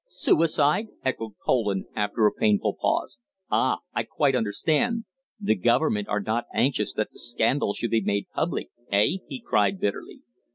"Suicide!" echoed Poland, after a painful pause. "Ah! I quite understand! The Government are not anxious that the scandal should be made public, eh?" he cried bitterly.